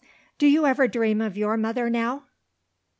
Do you ever dream of your mother now?"